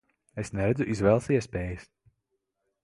Es neredzu izvēles iespējas.